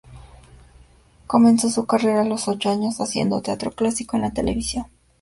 Comenzó su carrera a los ocho años haciendo teatro clásico en la televisión.